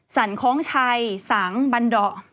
สันคองชัยสังฆ์บันด่อ